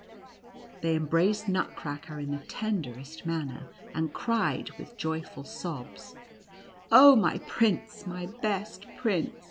They embraced Nutcracker in the tenderest manner, and cried with joyful sobs :" Oh, my prince, my best prince